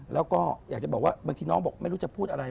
แล้วก็อยากจะบอกว่าบางทีน้องบอกไม่รู้จะพูดอะไร